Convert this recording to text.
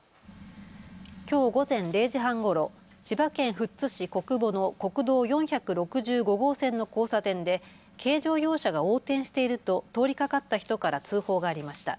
きょう午前０時半ごろ、千葉県富津市小久保の国道４６５号線の交差点で軽乗用車が横転していると通りかかった人から通報がありました。